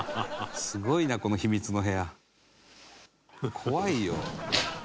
すごいなこの秘密の部屋」「怖いよ」